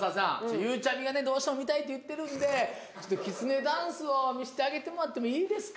ゆうちゃみがどうしても見たいって言ってるんでちょっときつねダンスを見せてあげてもらってもいいですか。